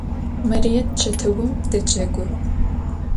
Marıêt çetıum decegu.